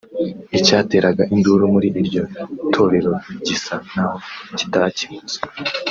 Icyateraga induru muri iryo torero gisa n’aho kitakemutse